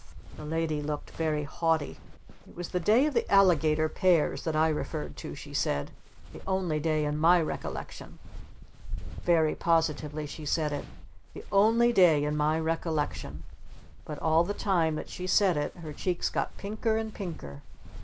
The Lady looked very haughty. "It was the day of the Alligator Pears that I referred to," she said. "The only day in my recollection!" Very positively she said it, "the only day in my recollection." But all the time that she said it her cheeks got pinker and pinker.